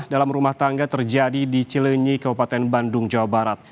dalam rumah tangga terjadi di cilenyi kabupaten bandung jawa barat